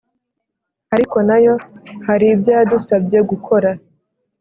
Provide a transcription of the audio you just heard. Ariko nayo haribyo yadusabye gukora